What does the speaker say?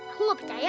aku gak percaya